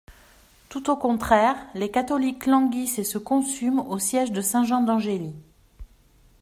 Tout au contraire, les catholiques languissent et se consument au siége de Saint-Jean-d'Angély.